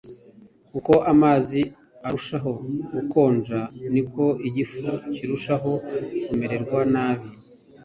uko amazi arushaho gukonja, ni ko igifu kirushaho kumererwa nabi